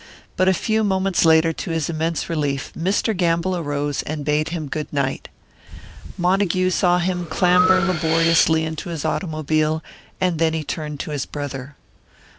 But a few minutes later, to his immense relief, Mr. Gamble arose, and bade him good night. Montague saw him clamber laboriously into his automobile, and then he turned to his brother.